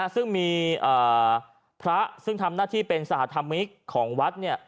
ซึ่งมีพระซึ่งทำหน้าที่เป็นสหภาษณ์ธรรมิตของวัดเนี่ย